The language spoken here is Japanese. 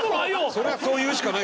それはそう言うしかない。